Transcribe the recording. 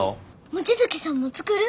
望月さんも作る？